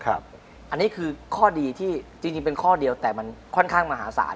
อันนี้คือข้อดีที่จริงเป็นข้อเดียวแต่มันค่อนข้างมหาศาล